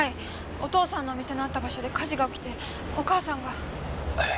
お父さんのお店のあった場所で火事が起きてお母さんが。えっ？